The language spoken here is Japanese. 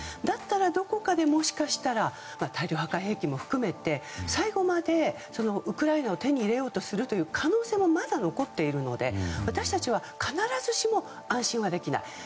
だったらどこかでもしかしたら大量破壊兵器も含めて最後までウクライナを手に入れようとする可能性もまだ残っているので私たちは必ずしも安心はできない。